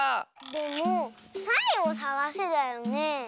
でも「サイをさがせ」だよね？